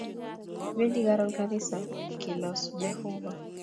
Kibendi karon kanisa pkelosu Jehovah